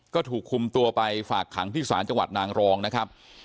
ก็ถูกคุมตัวไปฝากขังที่ศาลจังหวัดนางรองนะครับ